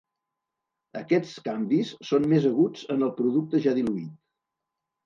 Aquests canvis són més aguts en el producte ja diluït.